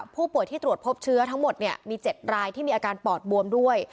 ผู้ป่วยที่ตรวจพบเชื้อทั้งหมดมี๗รายที่มีอาการปอดบวมด้วย